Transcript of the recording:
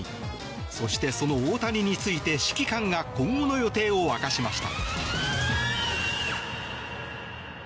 そして、その大谷について指揮官が今後の予定を明かしました。